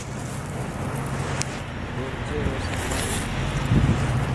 بورچي رو سامان.